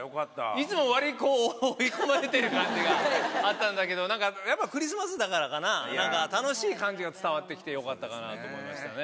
いつも、わりと、な感じがあったんだけど、なんか、やっぱクリスマスだからかな、なんか楽しい感じが伝わってきてよかったなと思いますね。